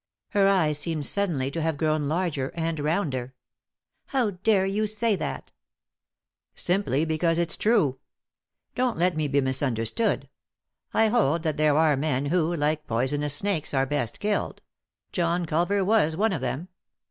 Her eyes seemed suddenly to hare grown larger and rounder. " How dare you say that ?"" Simply because it's true. Don't let me be mis understood. I hold that there are men who, like poisonous snakes, are best killed. John Culver was one of them.